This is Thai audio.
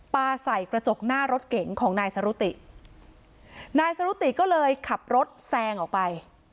ปลาใส่กระจกหน้ารถเก๋งของนายสรุตินายสรุติก็เลยขับรถแซงออกไป